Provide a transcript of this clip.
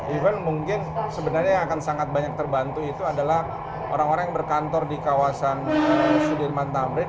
even mungkin sebenarnya yang akan sangat banyak terbantu itu adalah orang orang yang berkantor di kawasan sudirman tamrin